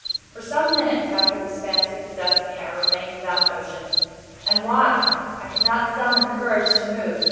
For some minutes after this fancy possessed me, I remained without motion. And why? I could not summon courage to move.